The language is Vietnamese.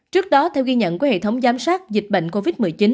trước đó theo ghi nhận của hệ thống giám sát dịch bệnh covid một mươi chín